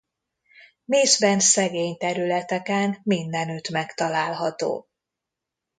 Mészben szegény területeken mindenütt megtalálható.